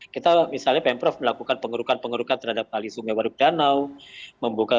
kita misalnya pemprov melakukan pengurukan pengurukan terhadap kalisung naik